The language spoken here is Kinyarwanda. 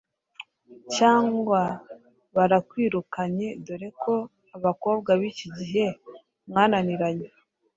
Cyangwa barakwirukanye, dore ko abakobwa b’iki gihe mwananiranye